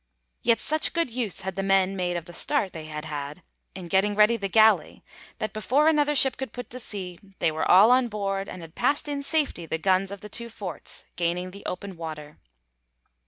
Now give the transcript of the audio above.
Yet, such good use had the men made of the start they had had in getting ready the galley that before another ship could put to sea they were all on board, and had passed in safety the guns of the two forts, gaining the open water.